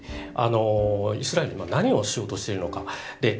イスラエルは何をしようとしているのか。